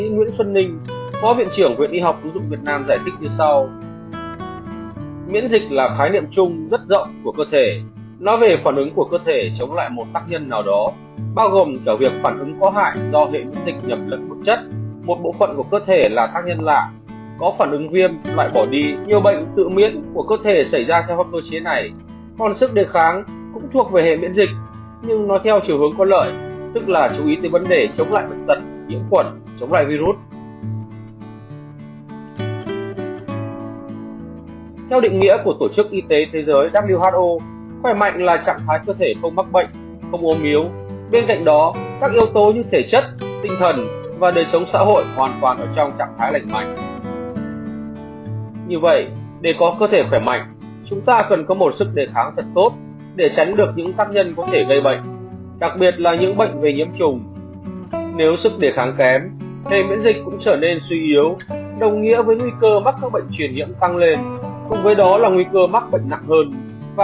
nhóm chất bột đường nhóm chất bột đường nhóm chất bột đường nhóm chất bột đường nhóm chất bột đường nhóm chất bột đường nhóm chất bột đường nhóm chất bột đường nhóm chất bột đường nhóm chất bột đường nhóm chất bột đường nhóm chất bột đường nhóm chất bột đường nhóm chất bột đường nhóm chất bột đường nhóm chất bột đường nhóm chất bột đường nhóm chất bột đường nhóm chất bột đường nhóm chất bột đường nhóm chất bột đường nhóm chất bột đường nhóm chất bột đường nhóm chất bột đường nhóm chất b